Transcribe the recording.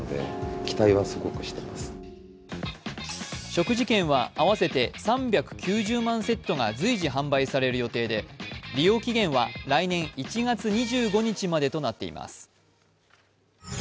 食事券は合わせて３９０万セットが、随時販売される予定で利用期限は来年１月２５日までとなっています。